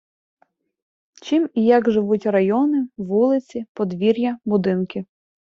чим і як живуть райони, вулиці, подвір"я, будинки.